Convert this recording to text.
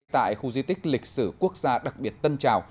tại khu di tích lịch sử quốc gia đặc biệt tân trào